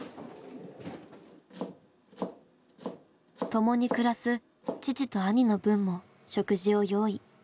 共に暮らす父と兄の分も食事を用意。